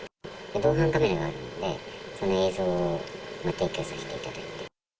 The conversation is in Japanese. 防犯カメラがあるのでね、その映像を提供させていただいて。